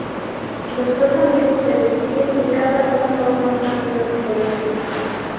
Los dos amigos se despiden y cada uno toma un camino diferente.